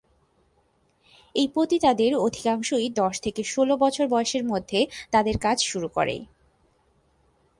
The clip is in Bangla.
এই পতিতাদের অধিকাংশই দশ থেকে ষোল বছর বয়সের মধ্যে তাদের কাজ শুরু করে।